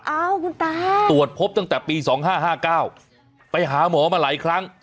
อ้าวคุณตาตรวจพบตั้งแต่ปี๒๕๕๙ไปหาหมอมาหลายครั้ง